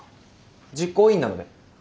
実行委員なので。